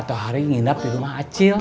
atau hari nginap di rumah acil